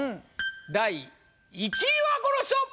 第１位はこの人！